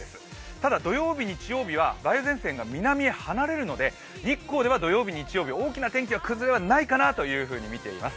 ただ土曜日、日曜日は梅雨前線が離れるので日光では土曜日、日曜日大きな天気の崩れはないかなとみています。